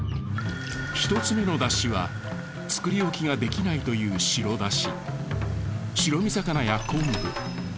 １つ目のだしは作り置きができないという白だし。